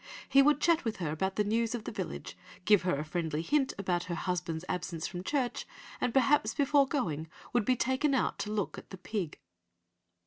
He would chat with her about the news of the village, give her a friendly hint about her husband's absence from church, and perhaps, before going, would be taken out to look at the pig."